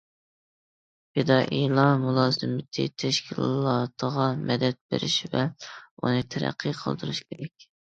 پىدائىيلار مۇلازىمىتى تەشكىلاتىغا مەدەت بېرىش ۋە ئۇنى تەرەققىي قىلدۇرۇش كېرەك.